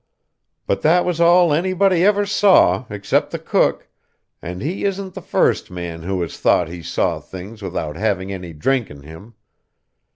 But that was all anybody ever saw except the cook, and he isn't the first man who has thought he saw things without having any drink in him.